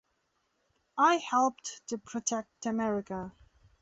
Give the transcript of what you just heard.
I helped to protect America.